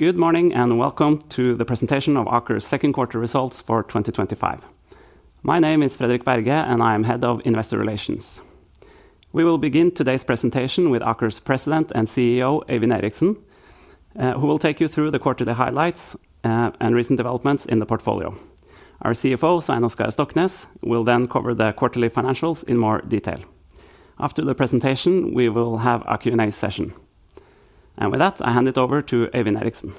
Good morning and welcome to the presentation of Aker's second quarter results for 2025. My name is Fredrik Berger and I am Head of Investor Relations. We will begin today's presentation with Aker's President and CEO, Eivin Eriksson, who will take you through the quarterly highlights and recent developments in the portfolio. Our CFO, Sainoskaya Stocknes, will then cover the quarterly financials in more detail. After the presentation, we will have a Q and A session. And with that, I hand it over to Ewyn Eddickson.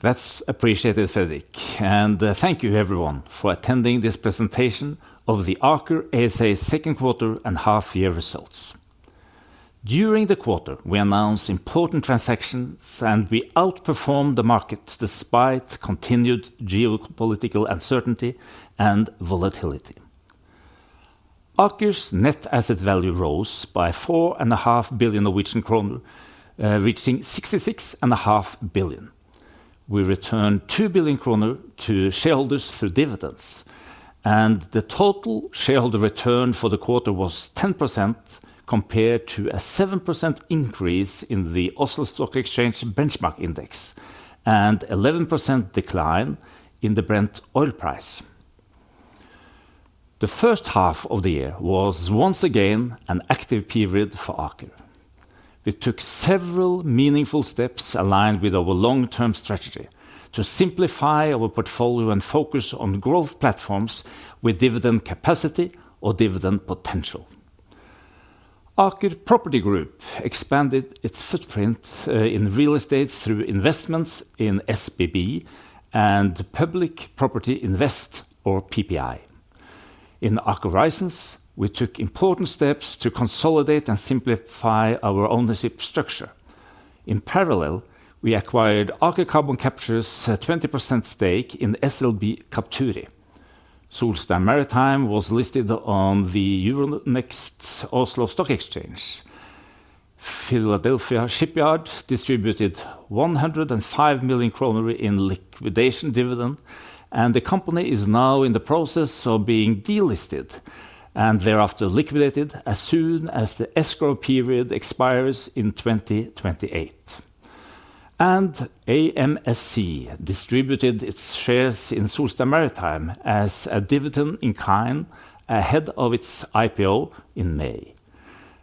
That's appreciated, Fredrik. And thank you everyone for attending this presentation of the Aker ASA second quarter and half year results. During the quarter, we announced important transactions and we outperformed the market despite continued geopolitical uncertainty and volatility. Aker's net asset value rose by 4,500,000,000.0, reaching 66,500,000,000.0. We returned 2,000,000,000 kroner to shareholders through dividends, And the total shareholder return for the quarter was 10% compared to a 7% increase in the Austro Stock Exchange benchmark index and 11% decline in the Brent oil price. The first half of the year was once again an active period for Aker. We took several meaningful steps aligned with our long term strategy to simplify our portfolio and focus on growth platforms with dividend capacity or dividend potential. Aker Property Group expanded its footprint in real estate through investments in SBB and public property invest or PPI. In Aker Horizons, we took important steps to consolidate and simplify our ownership structure. In parallel, we acquired Aker Carbon Capture's 20% stake in SLB Capturri. Solskjaer Maritime was listed on Euronext Oslo Stock Exchange. Philadelphia Shipyard distributed 105,000,000 kroner in liquidation dividend, and the company is now in the process of being delisted and thereafter liquidated as soon as the escrow period expires in 2028. And AMSC distributed its shares in Solstad Maritime as a dividend in kind ahead of its IPO in May.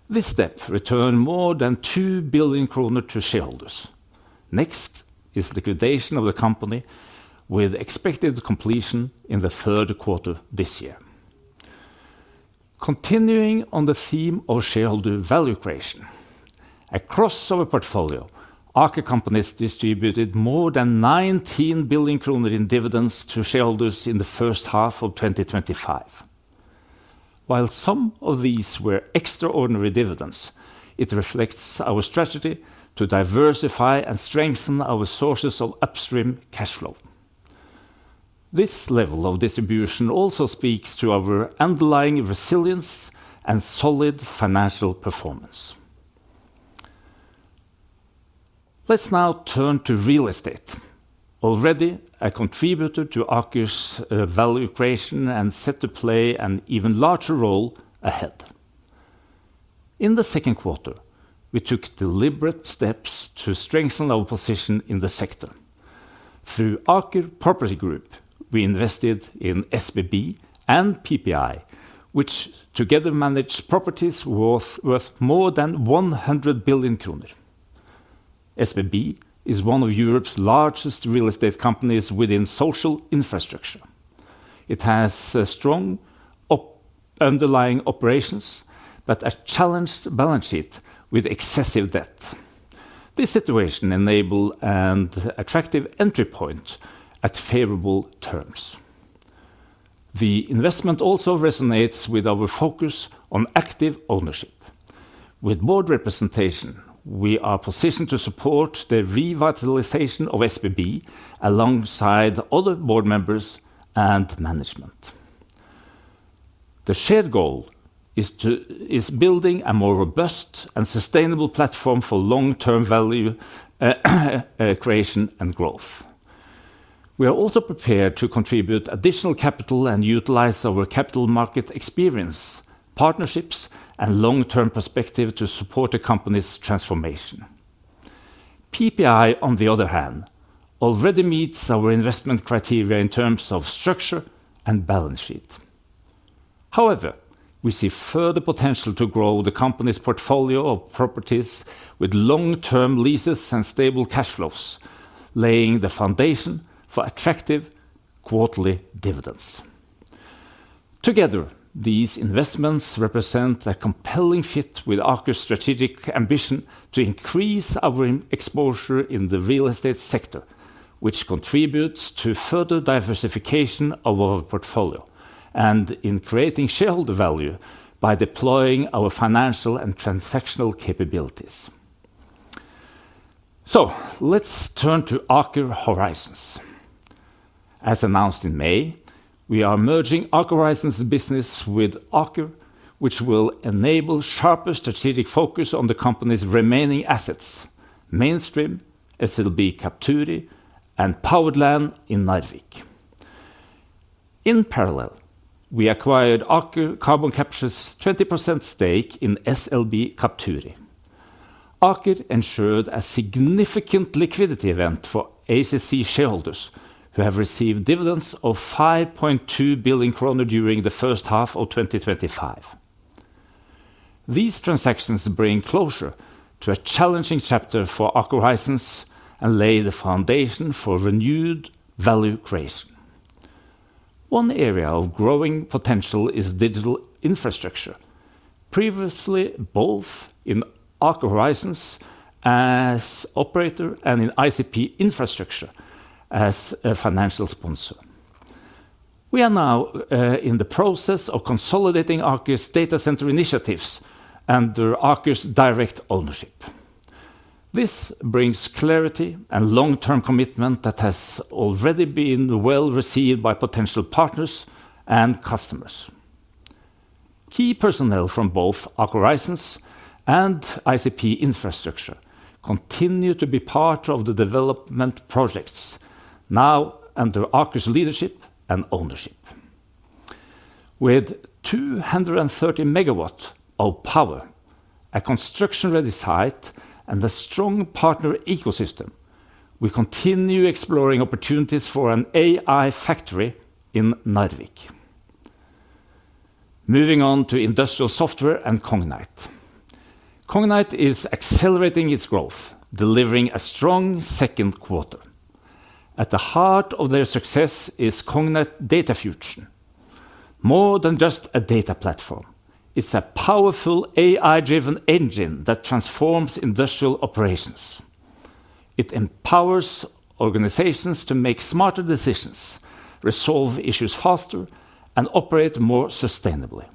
This step returned more than 2 billion kronor to shareholders. Next is liquidation of the company with expected completion in the third quarter this year. Continuing on the theme of shareholder value creation. Across our portfolio, Aker distributed more than 19 billion kronor in dividends to shareholders in the first half of twenty twenty five. While some of these were extraordinary dividends, it reflects our strategy to diversify and strengthen our sources of upstream cash flow. This level of distribution also speaks to our underlying resilience and solid financial performance. Let's now turn to real estate, already a contributor to Aker's value creation and set to play an even larger role ahead. In the second quarter, we took deliberate steps to strengthen our position in the sector. Through Aker Property Group, we invested in SBB and PPI, which together managed properties more than 100,000,000,000 kronor. SBB is one of Europe's largest real estate companies within social infrastructure. It has strong underlying operations, but a challenged balance sheet with excessive debt. This situation enables an attractive entry point at favorable terms. The investment also resonates with our focus on active ownership. With board representation, we are positioned to support the revitalization of SBB alongside other board members and management. The shared goal is building a more robust and sustainable platform for long term value creation and growth. We are also prepared to contribute additional capital and utilize our capital market experience, partnerships and long term perspective to support the company's transformation. PPI, on the other hand, already meets our investment criteria in terms of structure and balance sheet. However, we see further potential to grow the company's portfolio of properties with long term leases and stable cash flows, laying the foundation for attractive quarterly dividends. Together, these investments represent a compelling fit with Aker's strategic ambition to increase our exposure in the real estate sector, which contributes to further diversification of our portfolio and in creating shareholder value by deploying our financial and transactional capabilities. So, let's turn to Aker Horizons. As announced in May, we are merging Aker Horizons business with Aker, which will enable sharper strategic focus on the company's remaining assets: Mainstream, SLB Capturi and Powered Land in Najdvik. In parallel, we acquired Aker Carbon Captur's 20% stake in SLB Capturi. Aker ensured a significant liquidity event for ACC shareholders, who have received dividends of 5,200,000,000.0 during the first half of twenty twenty five. These transactions bring closure to a challenging chapter for AQhorizons and lay the foundation for renewed value creation. One area of growing potential is digital infrastructure. Previously both in Arc Horizons as operator and in ICP Infrastructure as a financial sponsor. We are now in the process of consolidating Arcus data center initiatives under Aker's direct ownership. This brings clarity and long term commitment that has already been well received by potential partners and customers. Key personnel from both Aker Risense and ICP infrastructure continue to be part of the development projects, now under Aker's leadership and ownership. With two thirty megawatts of power, a construction ready site, and a strong partner ecosystem, we continue exploring opportunities for an AI factory in Najdvik. Moving on to industrial software and Cognite. Cognite is accelerating its growth, delivering a strong second quarter. At the heart of their success is Cognite Data Fusion. More than just a data platform, it's a powerful AI driven engine that transforms industrial operations. It empowers organizations to make smarter decisions, resolve issues faster and operate more sustainably.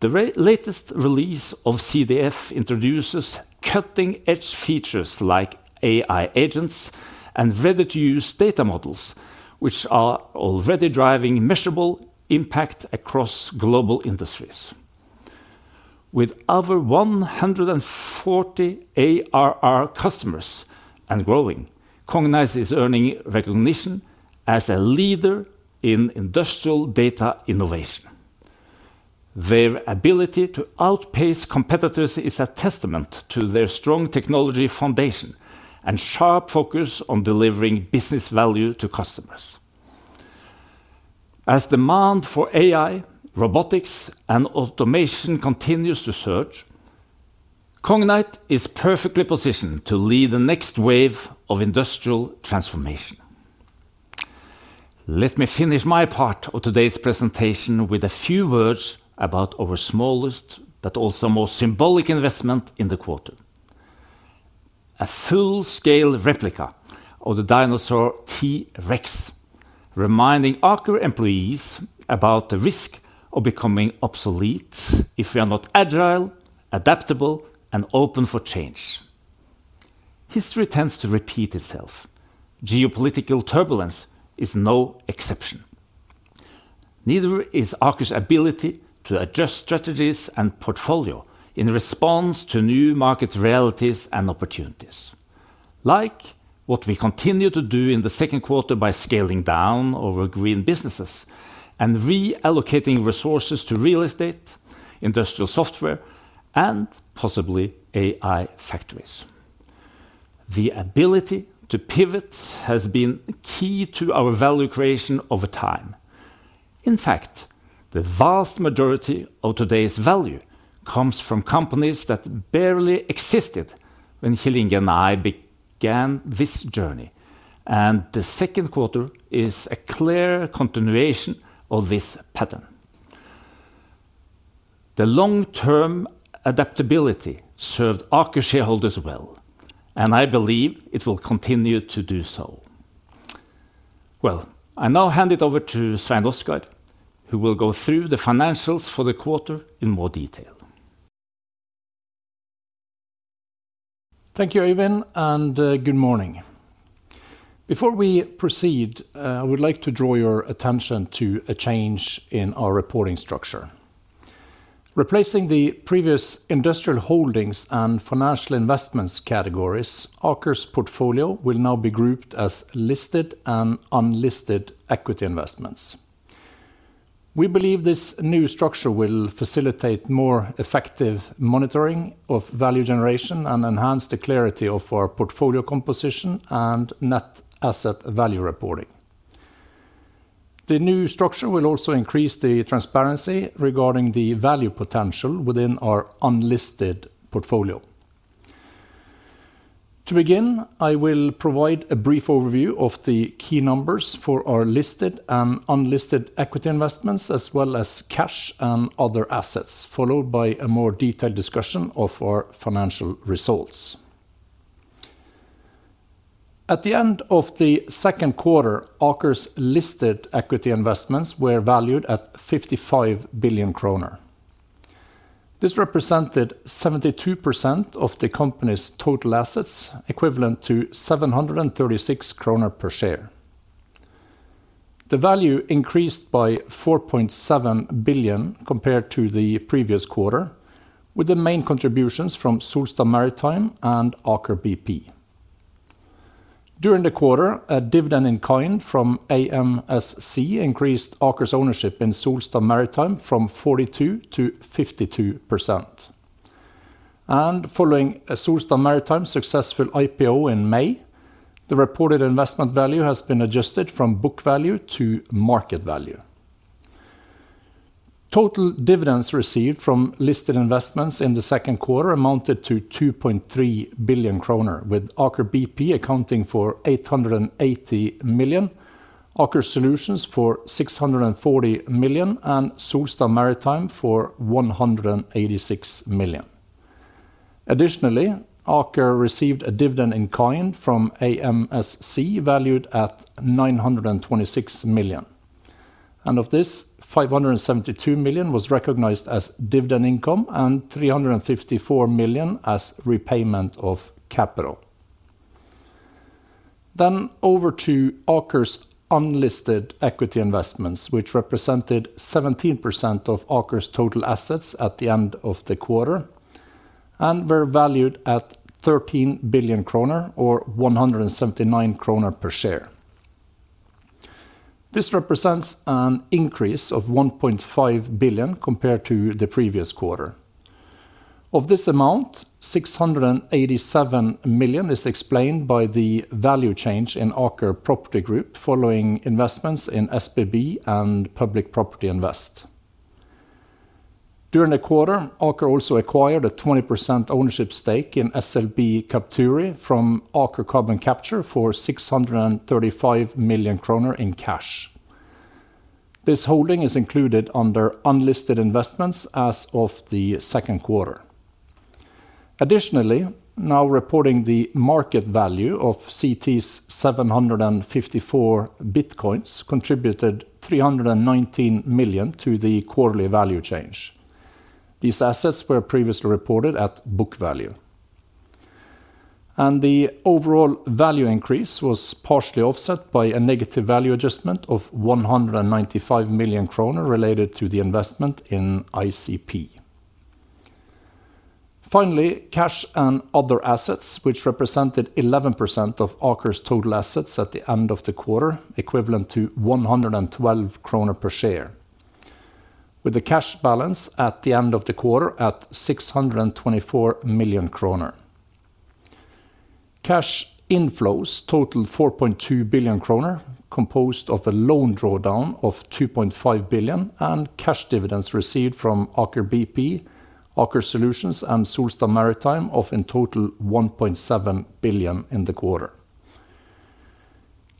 The latest release of CDF introduces cutting edge features like AI agents and ready to use data models, which are already driving measurable impact across global industries. With over 140 ARR customers and growing, Cognizant is earning recognition as a leader in industrial data innovation. Their ability to outpace competitors is a testament to their strong technology foundation and sharp focus on delivering business value to customers. As demand for AI, robotics and automation continues to surge, Cognite is perfectly positioned to lead the next wave of industrial transformation. Let me finish my part of today's presentation with a few words about our smallest, but also most symbolic investment in the quarter. A full scale replica of the dinosaur T. Rex, reminding Aker employees about the risk of becoming obsolete if we are not agile, adaptable, and open for change. History tends to repeat itself. Geopolitical turbulence is no exception. Neither is Aker's ability to adjust strategies and portfolio in response to new market realities and opportunities. Like what we continue to do in the second quarter by scaling down our green businesses and reallocating resources to real estate, industrial software and possibly AI factories. The ability to pivot has been key to our value creation over time. In fact, the vast majority of today's value comes from companies that barely existed when Helene and I began this journey, and the second quarter is a clear continuation of this pattern. The long term adaptability served Aker shareholders well, and I believe it will continue to do so. Well, I now hand it over to Svein Oskar, who will go through the financials for the quarter in more detail. Thank you, Eivind, and good morning. Before we proceed, I would like to draw your attention to a change in our reporting structure. Replacing the previous industrial holdings and financial investments categories, Aker's portfolio will now be grouped as listed and unlisted equity investments. We believe this new structure will facilitate more effective monitoring of value generation and enhance the clarity of our portfolio composition and net asset value reporting. The new structure will also increase the transparency regarding the value potential within our unlisted portfolio. To begin, I will provide a brief overview of the key numbers for our listed and unlisted equity investments as well as cash and other assets followed by a more detailed discussion of our financial results. At the end of the second quarter, Aker's listed equity investments were valued at billion. This represented 72% of the company's total assets, equivalent to per share. The value increased by billion compared to the previous quarter, with the main contributions from Solstad Maritime and Aker BP. During the quarter, a dividend in kind from AMSC increased Aker's ownership in Solstad Maritime from 42% to 52. And following Solstad Maritime's successful IPO in May, the reported investment value has been adjusted from book value to market value. Total dividends received from listed investments in the second quarter amounted to 2.3 billion kroner with Aker BP accounting for million, Aker Solutions for million and Solstad Maritime for million. Additionally, Aker received a dividend in kind from AMSC valued at million. And of this million was recognized as dividend income and 354 million as repayment of capital. Then over to Aker's unlisted equity investments, which represented 17% of Aker's total assets at the end of the quarter and were valued at 13,000,000,000 or 179 kroner per share. This represents an increase of 1,500,000,000.0 compared to the previous quarter. Of this amount, $687,000,000 is explained by the value change in Aker Property Group following investments in SBB and Public Property Invest. During the quarter, Aker also acquired a 20% ownership stake in SLB Capturri from Aker Carbon Capture Captur for million in cash. This holding is included under unlisted investments as of the second quarter. Additionally, now reporting the market value of CT's $7.54 bitcoins contributed million to the quarterly value change. These assets were previously reported at book value. And the overall value increase was partially offset by a negative value adjustment of million related to the investment in ICP. Finally, cash and other assets, which represented 11% of Aker's total assets at the end of the quarter, equivalent to per share, with a cash balance at the end of the quarter at million. Cash inflows totaled 4.2 billion kronor composed of a loan drawdown of 2.5 billion and cash dividends received from Aker BP, Aker Solutions and Solstad Maritime of in total 1.7 billion in the quarter.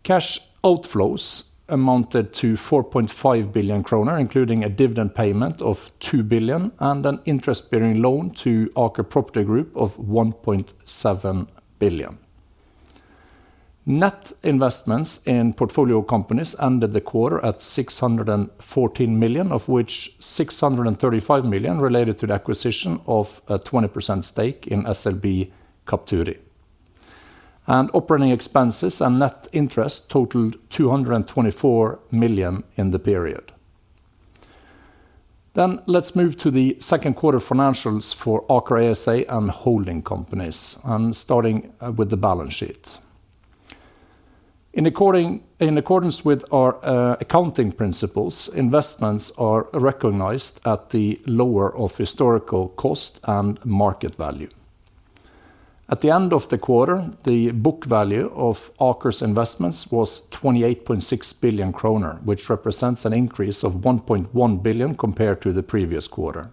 Cash outflows amounted to 4.5 billion kronor including a dividend payment of 2 billion and an interest bearing loan to Aker Property Group of 1.7 billion. Net investments in portfolio companies ended the quarter at 614 million, of which 635 million related to the acquisition of a 20% stake in SLB Capturi. Operating expenses and net interest totaled 224 million in the period. Then let's move to the second quarter financials for Aker ASA and holding companies, and starting with the balance sheet. In accordance with our accounting principles, investments are recognized at the lower of historical cost and market value. At the end of the quarter, the book value of Aker's investments was billion, which represents an increase of 1.1 billion compared to the previous quarter.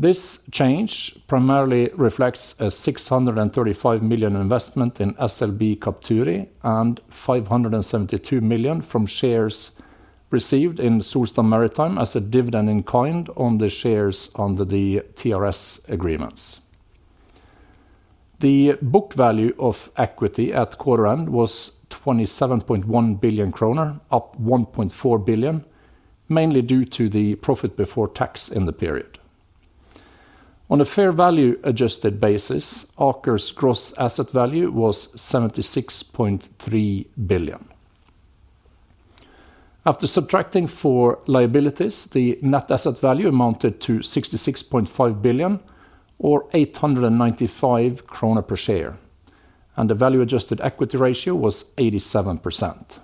This change primarily reflects a 635 million investment in SLB Capturi and 572 million from shares received in Solstad Maritime as a dividend in kind on the shares under the TRS agreements. The book value of equity at quarter end was billion, up 1.4 billion, mainly due to the profit before tax in the period. On a fair value adjusted basis, Aker's gross asset value was billion. After subtracting for liabilities, the net asset value amounted to 66.5 billion or 895 krona per share. And the value adjusted equity ratio was 87%.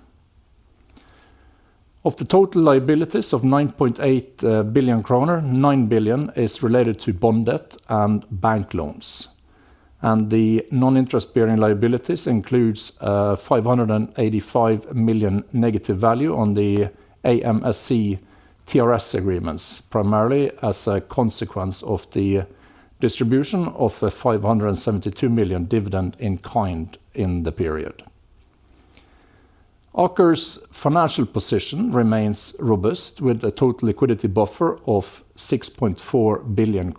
Of the total liabilities of 9.8 billion kroner, billion is related to bond debt and bank loans. And the non interest bearing liabilities includes million negative value on the AMSC TRS agreements, primarily as a consequence of the distribution of a $572,000,000 dividend in kind in the period. OKR's financial position remains robust with a total liquidity buffer of billion,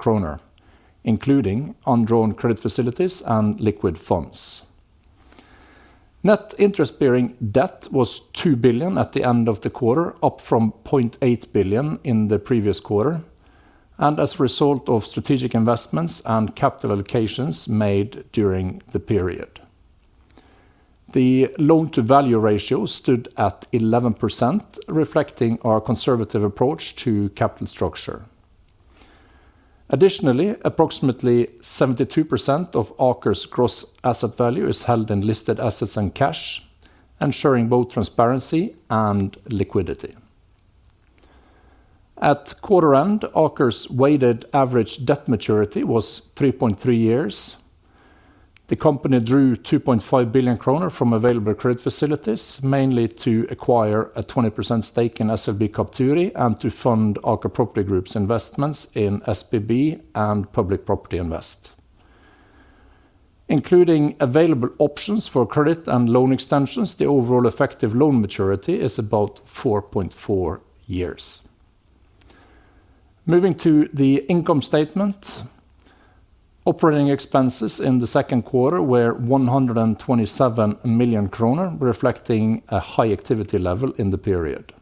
including undrawn credit facilities and liquid funds. Net interest bearing debt was 2 billion at the end of the quarter, up from 0.8 billion in the previous quarter and as a result of strategic investments and capital allocations made during the period. The loan to value ratio stood at 11% reflecting our conservative approach to capital structure. Additionally, approximately 72 of Aker's gross asset value is held in listed assets and cash, ensuring both transparency and liquidity. At quarter end, Aker's weighted average debt maturity was three point three years. The company drew 2,500,000,000.0 from available credit facilities, mainly to acquire a 20% stake in SLB Kapturri and to fund Aker Property Group's investments in SBB and public property invest. Including available options for credit and loan extensions, the overall effective loan maturity is about four point four years. Moving to the income statement. Operating expenses in the second quarter were million, reflecting a high activity level in the period.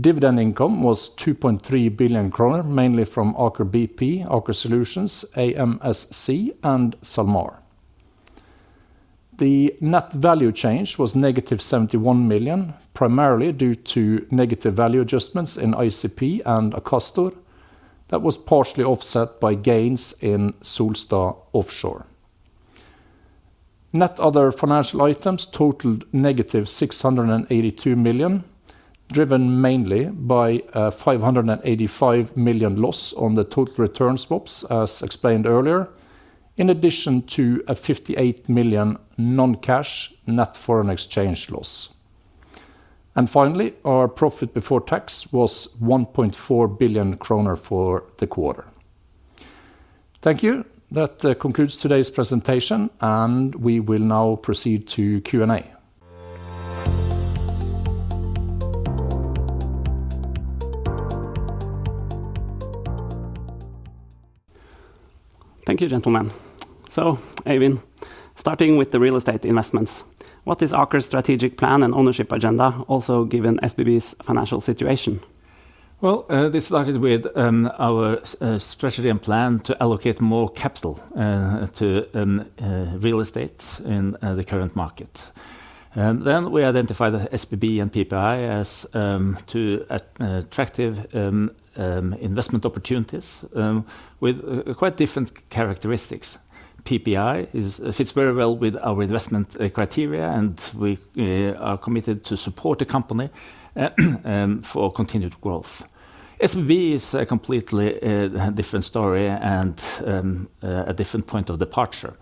Dividend income was 2.3 billion kroner, mainly from Aker BP, Aker Solutions, AMSC and Salmar. The net value change was negative 71 million, primarily due to negative value adjustments in ICP and Acastor that was partially offset by gains in Solstad Offshore. Net other financial items totaled negative million, driven mainly by 585 million loss on the total return swaps as explained earlier in addition to a 58 million non cash net foreign exchange loss. And finally, our profit before tax was 1.4 billion kronor for the quarter. Thank you. That concludes today's presentation and we will now proceed to Q and A. Thank you, gentlemen. Ewyn, starting with the real estate investments. What is Aker's strategic plan and ownership agenda, also given SBB's financial situation? Well, this started with our strategy and plan to allocate more capital to real estate in the current market. And then we identified the SPB and PPI as two attractive investment opportunities with quite different characteristics. PPI fits very well with our investment criteria, and we are committed to support the company for continued growth. SMB is a completely different story and a different point of departure.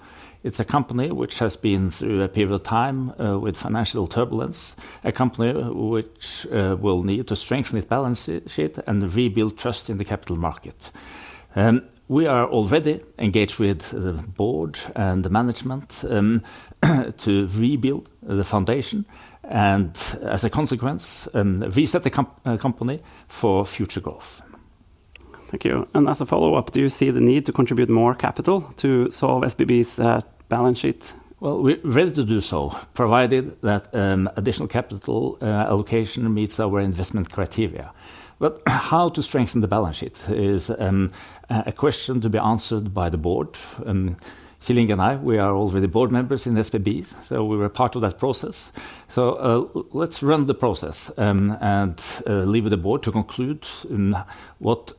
It's a company which has been through a period of time with financial turbulence, a company which will need to strengthen its balance sheet and rebuild trust in the capital market. We are already engaged with the board and the management to rebuild the foundation and as a consequence, reset the company for future growth. Thank you. And as a follow-up, do you see the need to contribute more capital to solve SBB's balance sheet? Well, we're ready to do so, provided that additional capital allocation meets our investment criteria. But how to strengthen the balance sheet is a question to be answered by the board. Filink and I, we are already board members in SBB, so we were part of that process. So let's run the process and leave with the board to conclude what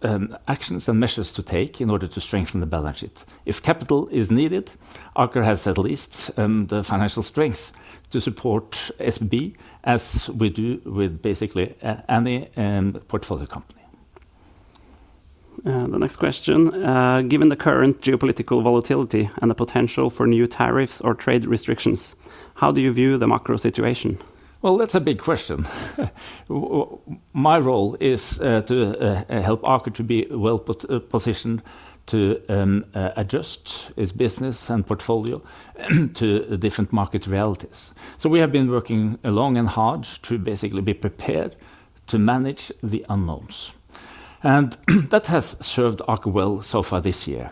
actions and measures to take in order to strengthen the balance sheet. If capital is needed, Aker has at least the financial strength to support SB as we do with basically any portfolio company. The next question. Given the current geopolitical volatility and the potential for new tariffs or trade restrictions, how do you view the macro situation? Well, that's a big question. My role is to help Aker to be well positioned to adjust its business and portfolio to different market realities. So we have been working long and hard to basically be prepared to manage the unknowns. And that has served Aker well so far this year.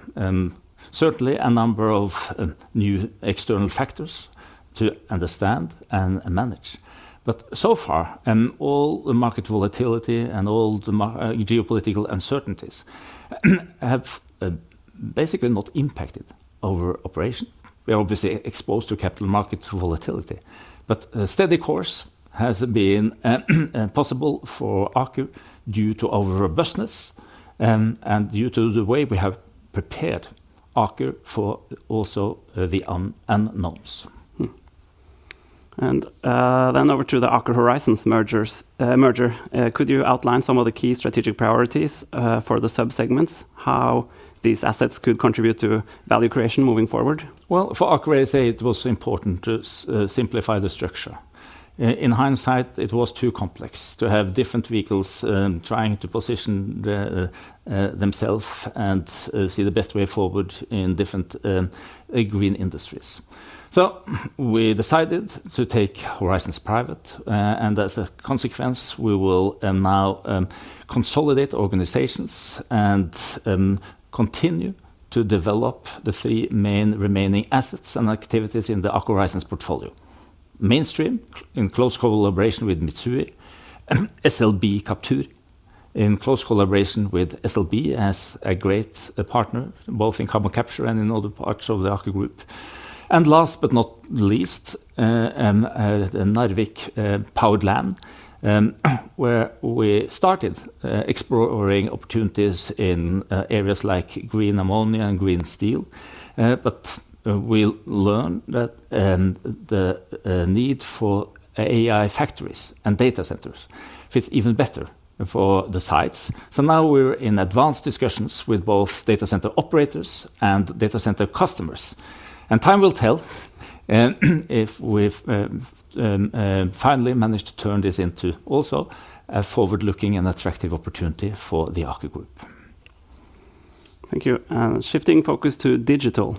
Certainly, number of new external factors to understand and manage. But so far, all the market volatility and all the geopolitical uncertainties have basically not impacted our operation. We are obviously exposed to capital markets volatility. But a steady course has been possible for Aker due to our robustness and due to the way we have prepared Aker for also the unknowns. And then over to the Aker Horizons merger. Could you outline some of the key strategic priorities for the sub segments? How these assets could contribute to value creation moving forward? Well, for Aker, I'd say it was important to simplify the structure. In hindsight, it was too complex to have different vehicles trying to position themselves and see the best way forward in different green industries. So we decided to take Horizons private. And as a consequence, we will now consolidate organizations and continue to develop the three main remaining assets and activities in the Aker Horizons portfolio: Mainstream, in close collaboration with Mitsui SLB Captur, in close collaboration with SLB as a great partner, both in carbon capture and in other parts of the Aker Group And last but not least, Najdvik powered land, where we started exploring opportunities in areas like green ammonia and green steel. But we learned the need for AI factories and data centers fits even better for the sites. So now we're in advanced discussions with both data center operators and data center customers. And time will tell if we've finally managed to turn this into also a forward looking and attractive opportunity for the Aker Group. Thank you. Shifting focus to digital.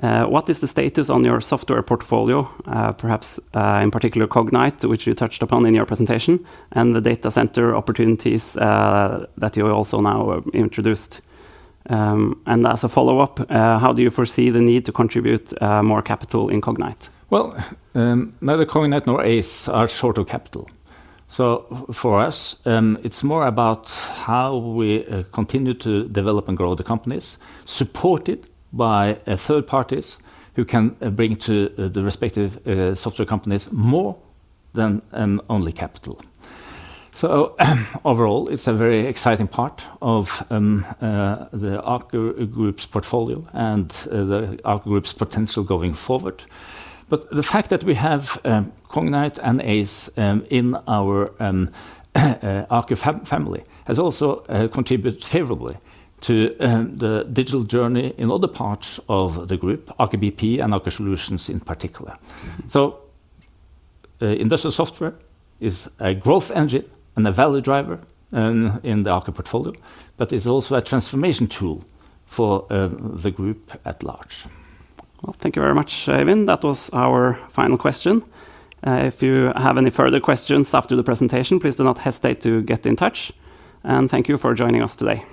What is the status on your software portfolio, perhaps in particular Cognite, which you touched upon in your presentation, and the data center opportunities that you also now introduced? And as a follow-up, how do you foresee the need to contribute more capital in Cognite? Well, neither Cognite nor ACE are short of capital. So for us, it's more about how we continue to develop and grow the companies, supported by third parties who can bring to the respective software companies more than only capital. So overall it's a very exciting part of Aker Group's portfolio and the Aker Group's potential going forward. But the fact that we have Cognite and ACE in our Aker family has also contributed favorably to the digital journey in other parts of the group, Arke BP and Arke Solutions in particular. Industrial software is a growth engine and a value driver in the Aker portfolio, but it's also a transformation tool for the group at large. Thank you very much, Ewyn. That was our final question. If you have any further questions after the presentation, do not hesitate to get in touch. Thank you for joining us today.